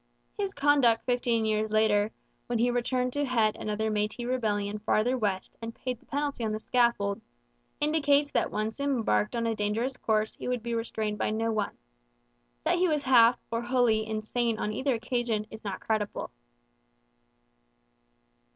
His conduct fifteen years later, when he returned to head another Métis rebellion farther west and paid the penalty on the scaffold, indicates that once embarked on a dangerous course he would be restrained by no one. That he was half, or wholly, insane on either occasion is not credible.